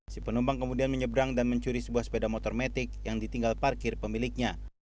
si penumpang kemudian menyeberang dan mencuri sebuah sepeda motor metik yang ditinggal parkir pemiliknya